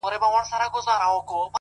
o دا بېچاره به ښـايــي مــړ وي،